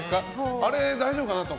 「あれ大丈夫かな？」とか。